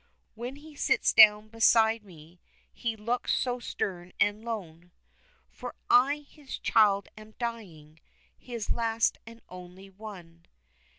"When he sits down beside me he looks so stern and lone, For I, his child, am dying, his last and only one."